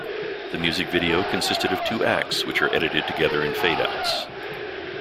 The music video consisted of two acts, which are edited together in fade outs.